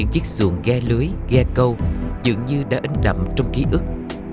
chiếc xuồng ghe lưới ghe câu dường như đã in đậm trong ký ức